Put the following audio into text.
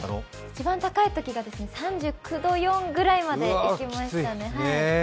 一番高いときが３９度４までいきましたね。